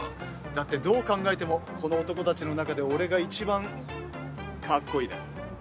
だってどう考えてもこの男たちの中で俺がいちばんかっこいいだろ？